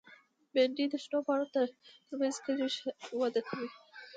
بېنډۍ د شنو پاڼو تر منځ ښکلي وده کوي